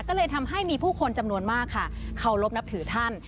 ก็เลยทำให้มีผู้คนจำนวนมากค่ะเคารพนับถือท่าน